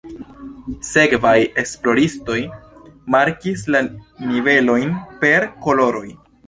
Sekvaj esploristoj markis la nivelojn per koloroj.